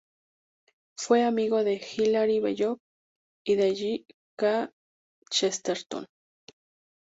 Fue amigo de Hilaire Belloc y de G. K. Chesterton.